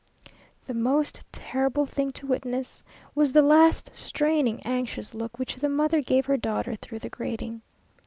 The most terrible thing to witness was the last, straining, anxious look which the mother gave her daughter through the grating.